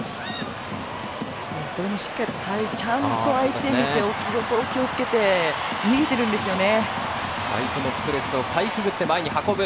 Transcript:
これもしっかりと相手をちゃんと見て置き所を気をつけて逃げてるんですよね。